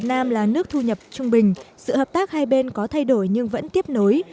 trong chương trình sự hợp tác hai bên có thay đổi nhưng vẫn tiếp nối